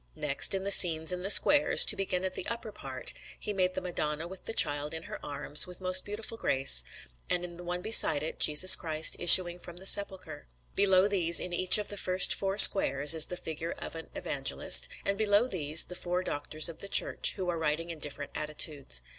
Next, in the scenes in the squares to begin at the upper part he made the Madonna with the Child in her arms, with most beautiful grace; and in the one beside it, Jesus Christ issuing from the Sepulchre. Below these, in each of the first four squares, is the figure of an Evangelist; and below these, the four Doctors of the Church, who are writing in different attitudes.